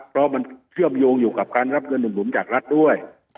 เพราะมันเชื่อมโยงอยู่กับการรับเงินหนุนจากรัฐด้วย